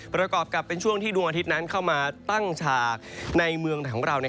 ประกอบกับเป็นช่วงที่ดวงอาทิตย์นั้นเข้ามาตั้งฉากในเมืองของเรา